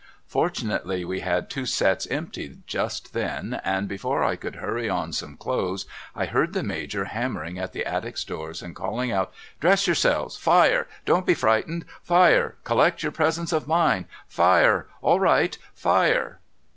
Fortunately we had two sets empty just then and before I could hurry on some clothes I heard the Major hammering at the attics' doors and calling out ' Dress yourselves !— Fire ! Don't be frightened !— Fire ! Collect your presence of mind !— Fire ! All right — Fire